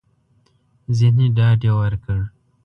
ذهني ډاډ يې ورکړ.